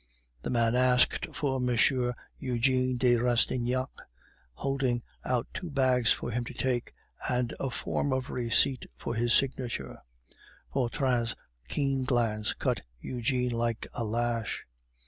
The man asked for M. Eugene de Rastignac, holding out two bags for him to take, and a form of receipt for his signature. Vautrin's keen glance cut Eugene like a lash.